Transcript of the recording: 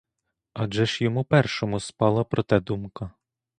Адже ж йому першому спала про те думка!